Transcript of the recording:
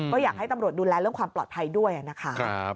ก็อยากให้ตำรวจดูแลเรื่องความปลอดภัยด้วยนะคะ